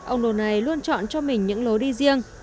ông đồ này luôn chọn cho mình những lối đi riêng